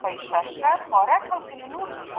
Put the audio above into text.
آیا لیکل د معلوماتو په ساتلو کې مرسته کوي؟